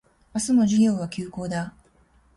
明日も授業は休講だ